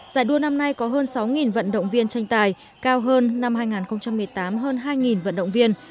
giải đua năm nay có hơn sáu vận động viên tranh tài cao hơn năm hai nghìn một mươi tám hơn hai vận động viên